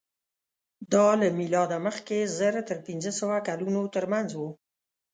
دا له مېلاده مخکې زر تر پینځهسوه کلونو تر منځ وو.